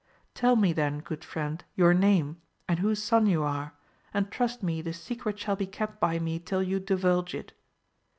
— ^Tell me then good friend your name, and whose son you are, and trust me the secret shall be kept by me till you divulge it.